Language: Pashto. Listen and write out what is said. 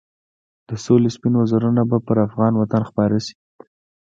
د سولې سپین وزرونه به پر افغان وطن خپاره شي.